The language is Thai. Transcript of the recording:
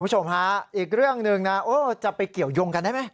คุณผู้ชมฮะอีกเรื่องหนึ่งนะโอ้จะไปเกี่ยวยงกันได้ไหม